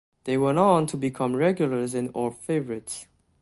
They went on to become regulars and Orb favourites.